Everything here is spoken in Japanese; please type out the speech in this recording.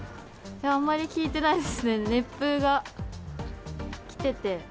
あんまり効いてないですね、熱風が来てて。